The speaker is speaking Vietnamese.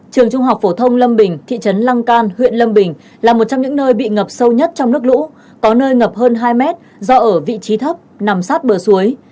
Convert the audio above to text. trường trung học phổ thông lâm bình thị trấn lăng can huyện lâm bình là một trong những nơi bị ngập sâu nhất trong nước lũ có nơi ngập hơn hai mét do ở vị trí thấp nằm sát bờ suối